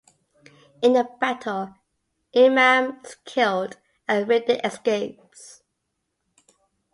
In the battle, Imam is killed and Riddick escapes.